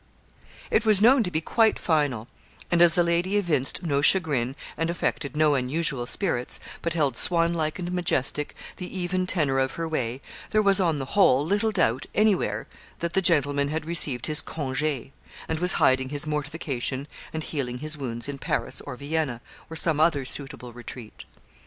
It was known to be quite final, and as the lady evinced no chagrin and affected no unusual spirits, but held, swanlike and majestic, the even tenor of her way, there was, on the whole, little doubt anywhere that the gentleman had received his congé, and was hiding his mortification and healing his wounds in Paris or Vienna, or some other suitable retreat.